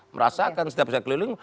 merasakan setiap saya keliling